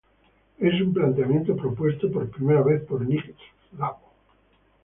Es un planteamiento propuesto por primera vez por Nick Szabo.